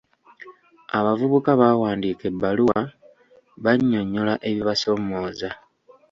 Abavubuka baawandiika ebbaluwa bannyonnyola ebibasomooza.